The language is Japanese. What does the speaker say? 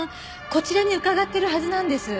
こちらに伺ってるはずなんです。